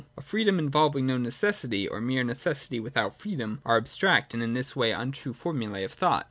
A free dom involving no necessity, and mere necessity without freedom, are abstract and in this way untrue formulae of thought.